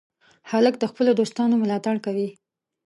هلک د خپلو دوستانو ملاتړ کوي.